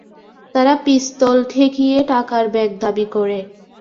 তাঁরা পিস্তল ঠেকিয়ে টাকার ব্যাগ দাবি করে।